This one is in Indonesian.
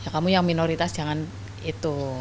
kamu yang minoritas jangan itu